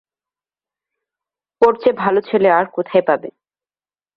ওর চেয়ে ভাল ছেলে আর কোথায় পাবে।